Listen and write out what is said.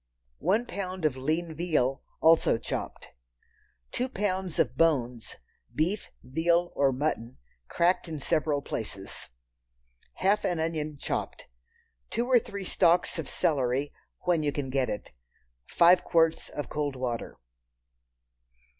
One pound of lean veal—also chopped. Two pounds of bones (beef, veal, or mutton) cracked in several places. Half an onion chopped. Two or three stalks of celery, when you can get it. Five quarts of cold water.